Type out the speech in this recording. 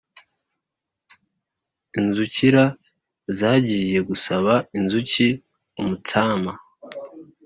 inzukira zagiye gusaba inzuki umutsama.